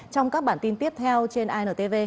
trong các bản tin tiếp theo trên intv